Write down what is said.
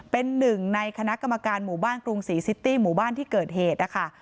เป็นหนึ่งในคณะกรรมการหมู่บ้านกรุงศรีซิตี้หมู่บ้านที่เกิดเหตุนะคะ